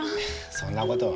そんなことは。